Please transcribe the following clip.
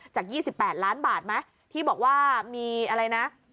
จาก๒๘ล้านบาทไหมที่บอกว่ามีอะไรนะ